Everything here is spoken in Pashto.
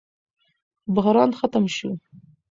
بحران ختم شو.